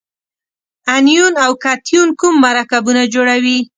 انیون او کتیون کوم مرکبونه جوړوي؟